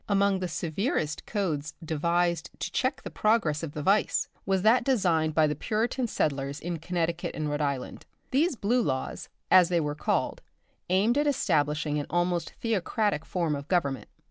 Among the severest codes devised to check the progress of the vice was that designed by the Puritan settlers in Connecticut and Rhode Island. These Blue Laws, as they were called, aimed at establishing an almost theocratic form of government.